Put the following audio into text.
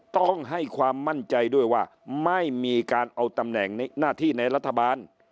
ต้องให้ความมั่นใจด้วยว่าไม่มีการเอาตำแหน่งหน้าที่ในรัฐบาล